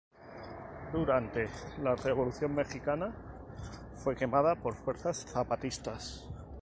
Durante la Revolución mexicana, fue quemada por fuerzas zapatistas.